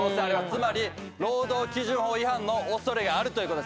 つまり労働基準法違反の恐れがあるということです。